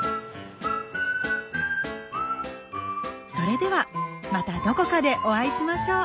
それではまたどこかでお会いしましょう